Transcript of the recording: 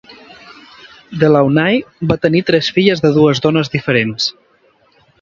De Launay va tenir tres filles de dues dones diferents.